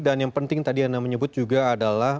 dan yang penting tadi yang anda menyebut juga adalah